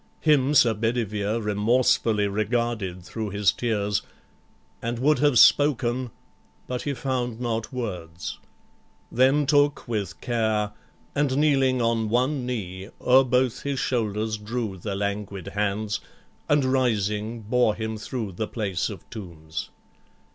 Him Sir Bedivere Remorsefully regarded thro' his tears, And would have spoken, but he found not words; Then took with care, and kneeling on one knee, O'er both his shoulders drew the languid hands, And rising bore him thro' the place of tombs.